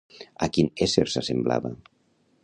A quin ésser s'assemblava?